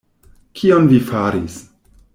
Kion vi faris?